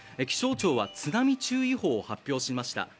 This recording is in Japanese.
気象庁は津波注意報を発表しました。